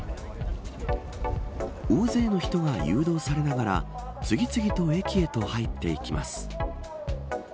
大勢の人が誘導されながら次々と駅へと入っていきます。